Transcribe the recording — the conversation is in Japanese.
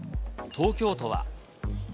東京都は。